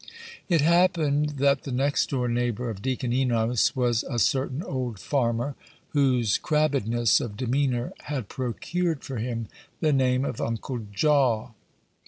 It happened that the next door neighbor of Deacon Enos was a certain old farmer, whose crabbedness of demeanor had procured for him the name of Uncle Jaw.